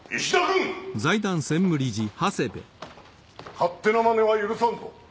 勝手な真似は許さんぞ。